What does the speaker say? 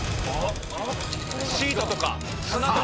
シートとか砂とか。